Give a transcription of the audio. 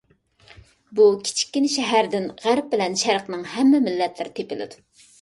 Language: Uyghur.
بۇ كىچىككىنە شەھەردىن غەرب بىلەن شەرقنىڭ ھەممە مىللەتلىرى تېپىلىدۇ.